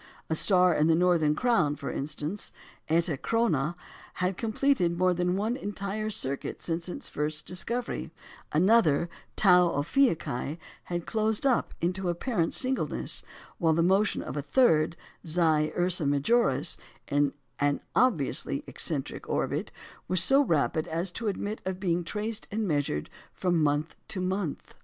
A star in the Northern Crown, for instance (Eta Coronæ), had completed more than one entire circuit since its first discovery; another, Tau Ophiuchi, had closed up into apparent singleness; while the motion of a third, Xi Ursæ Majoris, in an obviously eccentric orbit, was so rapid as to admit of being traced and measured from month to month.